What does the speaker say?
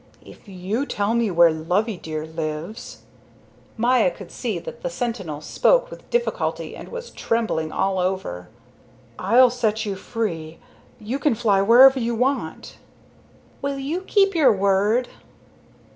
"If you tell me where Loveydear lives" Maya could see that the sentinel spoke with difficulty and was trembling all over "I'll set you free. You can fly wherever you want." "Will you keep your word?"